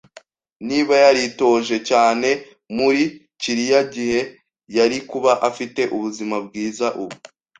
Niba yaritoje cyane muri kiriya gihe, yari kuba afite ubuzima bwiza ubu